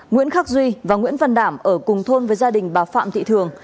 nguyễn khắc duy và nguyễn văn đảm ở cùng thôn với gia đình bà phạm thị thường